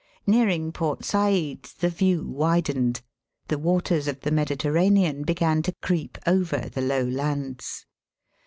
Nearing Port Said the view widened. The waters of the Mediter ranean began to creep over the low lands.